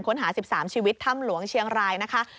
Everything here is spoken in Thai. ค้นหา๑๓ชีวิตถ้ำหลวงเชียงรายนะคะ